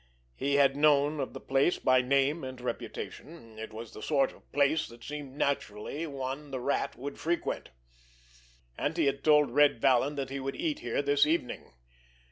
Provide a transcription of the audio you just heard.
He had known of the place by name and reputation; it was the sort of place that seemed naturally one the Rat would frequent, and he had told Red Vallon that he would "eat" here this evening.